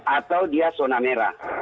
atau dia zona merah